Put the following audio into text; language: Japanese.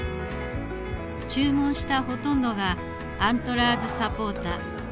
注文したほとんどがアントラーズサポーター。